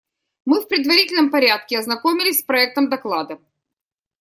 Мы в предварительном порядке ознакомились с проектом доклада.